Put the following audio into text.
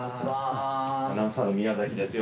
アナウンサーの宮崎です。